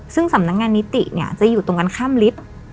ซึ่งสำนักงานนิติเนี่ยจะอยู่ตรงกันข้ามลิฟต์